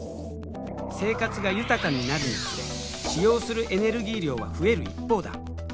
生活が豊かになるにつれ使用するエネルギー量は増える一方だ。